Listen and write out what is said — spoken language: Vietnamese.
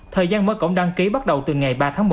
thời gian mới cũng đăng ký bắt đầu từ ngày ba tháng một